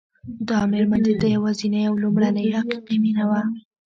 دا مېرمن د ده یوازېنۍ او لومړنۍ حقیقي مینه وه